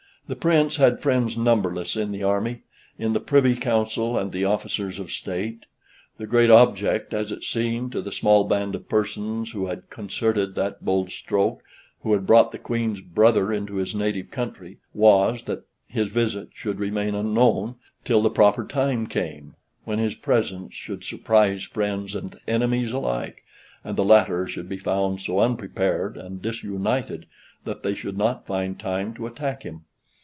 The Prince had friends numberless in the army, in the Privy Council, and the Officers of State. The great object, as it seemed, to the small band of persons who had concerted that bold stroke, who had brought the Queen's brother into his native country, was, that his visit should remain unknown till the proper time came, when his presence should surprise friends and enemies alike; and the latter should be found so unprepared and disunited, that they should not find time to attack him.